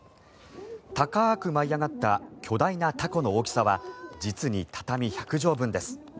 高く舞い上がった巨大な凧の大きさは実に畳１００畳分です。